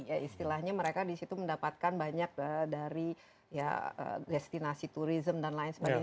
ya istilahnya mereka di situ mendapatkan banyak dari ya destinasi turism dan lain sebagainya